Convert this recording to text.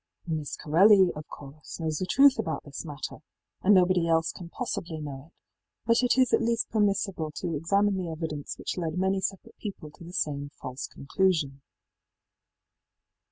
îí Miss Corelli, of course, knows the truth about this matter, and nobody else can possibly know it, but it is at least permissible to examine the evidence which led many separate people to the same false conclusion.